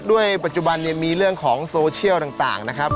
ด้วยปัจจุบันเนี่ยมีเรื่องของโซเชียลต่างนะครับ